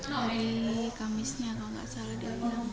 hari kamisnya kalau nggak salah dia bilang